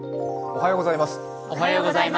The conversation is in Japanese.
おはようございます。